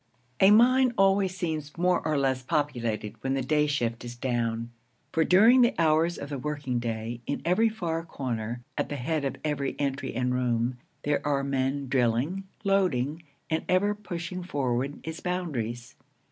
A mine always seems more or less populated when the day shift is down; for during the hours of the working day, in every far corner, at the head of every entry and room, there are men drilling, loading, and ever pushing forward its boundaries.